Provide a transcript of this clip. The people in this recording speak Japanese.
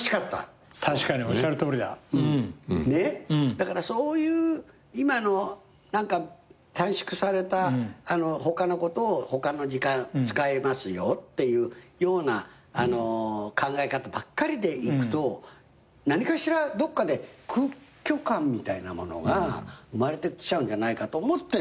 だからそういう今の短縮された他のことを他の時間使えますよっていうような考え方ばっかりでいくと何かしらどっかで空虚感みたいなものが生まれてきちゃうんじゃないかと思ってね